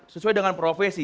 sesuai dengan profesi